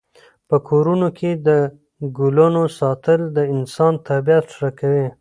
په کورونو کې د ګلانو ساتل د انسان طبعیت ښه کوي.